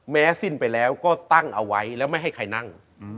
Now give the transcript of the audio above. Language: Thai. สิ้นไปแล้วก็ตั้งเอาไว้แล้วไม่ให้ใครนั่ง